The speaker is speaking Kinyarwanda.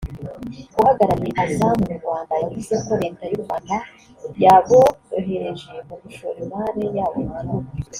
uhagarariye Azam mu Rwanda yavuze ko leta y’u Rwanda yaborohereje mu gushora imari yabo mu gihugu